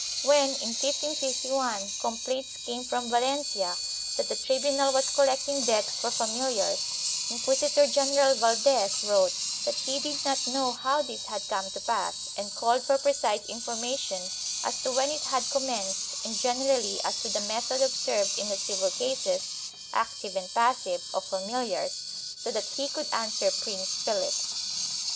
When, in 1551, complaints came from Valencia that the tribunal was collecting debts for familiars, Inquisitor general Valdes wrote that he did not know how this had come to pass and called for precise information as to when it had commenced and generally as to the method observed in the civil cases, active and passive, of familiars, so that he could answer Prince Philip.